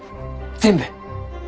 全部！？